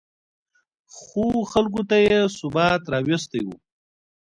خو خلکو ته یې ثبات راوستی و